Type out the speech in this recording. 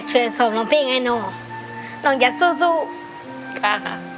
ช่วยส่งลองเพลงไอ้หนูลองยังสู้สู้ค่ะ